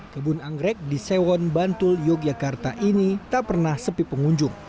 kebun anggrek di sewon bantul yogyakarta ini tak pernah sepi pengunjung